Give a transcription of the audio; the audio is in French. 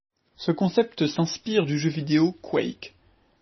Ce concept s'inspire du jeu vidéo Quake.